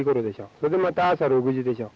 それでまた朝６時でしょ。